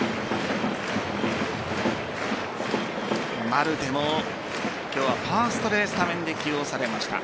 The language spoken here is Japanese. マルテも今日はファーストでスタメンで起用されました。